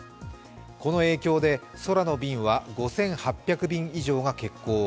この影響で空の便は５８００便以上が欠航。